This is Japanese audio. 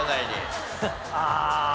ああ。